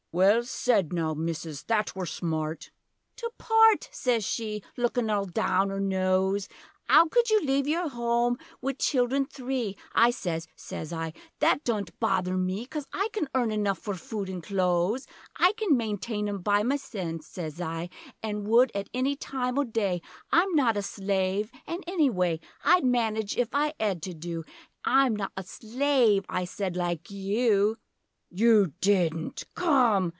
Well said now Missus! That were smart! 'To part!' sez she, 'lookin' all down her noaz, 'Ow could you leave your hoam wi' childer three?' I sez sez I 'that dudn't bother me Coz I can earn enough for food an' cloaz. I can maintain 'em by mysen,' sez I, 'An' would at any time o' day. I'm not a slave an' anyway I'd manage if I 'ed to do, I'm not a slave,' I sez, 'like you!' You didn't Come!